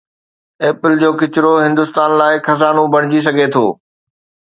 Apple جو ڪچرو هندستان لاءِ خزانو بڻجي سگهي ٿو